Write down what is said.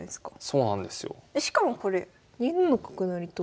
そうなんです。